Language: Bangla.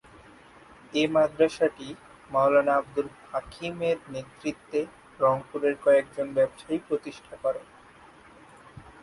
এ মাদরাসাটি মাওলানা আব্দুল হাকিম এর নেতৃত্বে রংপুরের কয়েকজন ব্যবসায়ী প্রতিষ্ঠা করে।